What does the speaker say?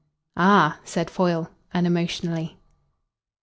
"Ah!" said Foyle unemotionally.